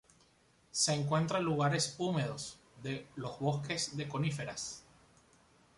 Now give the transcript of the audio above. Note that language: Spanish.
Se encuentra en lugares húmedos de los bosques de coníferas.